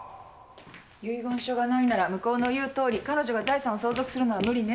遺言書がないなら向こうの言うとおり彼女が財産を相続するのは無理ね。